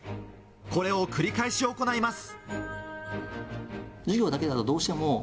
これを繰り返し行います。